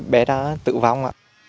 hai bé đã tự vong